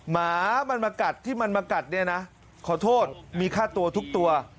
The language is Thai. หมามันมากัดที่มันมากัดเนี่ยนะขอโทษมีค่าตัวทุกตัว